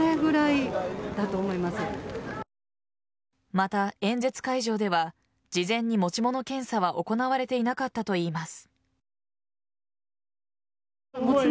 また、演説会場では事前に持ち物検査は行われていなかったといいます。